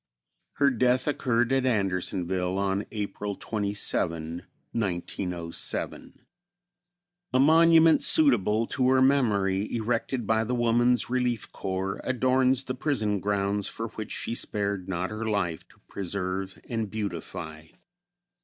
Her death occurred at Andersonville on April 27, 1907. A monument suitable to her memory, erected by the Woman's Relief Corps, adorns the prison grounds for which she spared not her life to preserve and beautify.